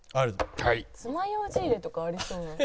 つまようじ入れとかありそうなのに。